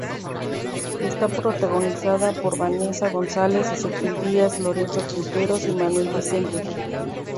Está protagonizada por Vanesa González, Ezequiel Díaz, Lorenzo Quinteros y Manuel Vicente.